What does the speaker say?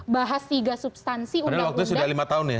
bahas tiga substansi undang undang